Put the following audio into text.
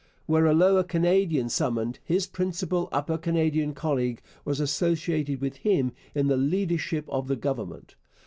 Were a Lower Canadian summoned, his principal Upper Canadian colleague was associated with him in the leadership of the Government.